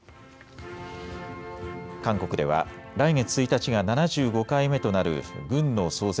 韓国では来月１日が７５回目となる軍の創設